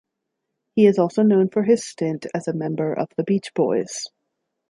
He is also known for his stint as a member of The Beach Boys.